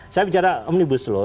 saya bicara omnibus loh